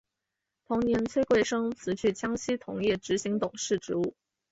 同年崔贵生辞去江西铜业执行董事职务。